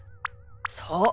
そう。